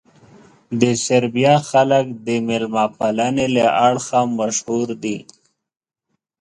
د سربیا خلک د مېلمه پالنې له اړخه مشهور دي.